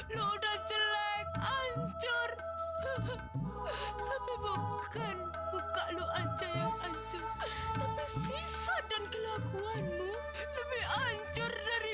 lo udah jelek hancur tapi bukan buka lu aja yang anjur tapi sifat dan kelakuanmu lebih hancur dari